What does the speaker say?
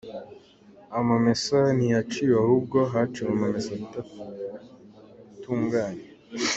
Amamesa ntiyaciwe ahubwo haciwe amamesa adatunganye